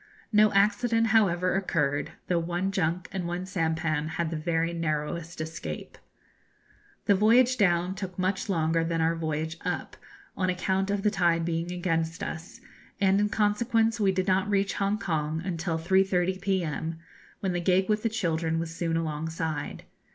No accident, however, occurred, though one junk and one sampan had the very narrowest escape. The voyage down took much longer than our voyage up, on account of the tide being against us, and in consequence we did not reach Hongkong until 3.30 p.m., when the gig with the children was soon alongside.